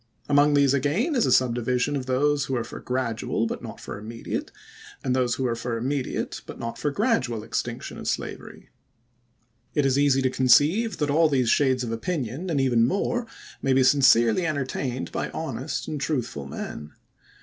Among these again is a subdi\dsion of those who are for gradual but not for immediate, and those who are for immediate, but not for gradual extinction of slavery. It is easy to con ceive that aU these shades of opinion, and even more, may be sincerely entertained by honest and truthful men.